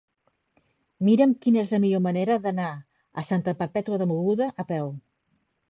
Mira'm quina és la millor manera d'anar a Santa Perpètua de Mogoda a peu.